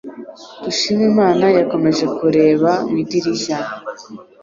Dushimimana yakomeje kureba mu idirishya.